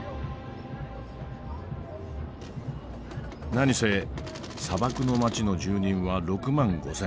何せ砂漠の街の住人は６万５，０００。